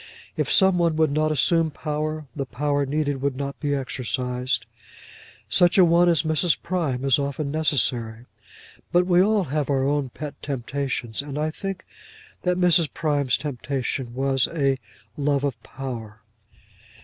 If some one would not assume power, the power needed would not be exercised. Such a one as Mrs. Prime is often necessary. But we all have our own pet temptations, and I think that Mrs. Prime's temptation was a love of power.